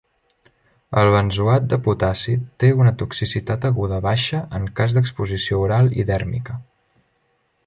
El benzoat de potassi té una toxicitat aguda baixa en cas d'exposició oral i dèrmica.